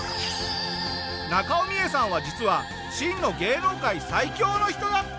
中尾ミエさんは実は真の芸能界最強の人だった！